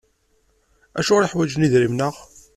Acuɣer i ḥwajen idrimen-a?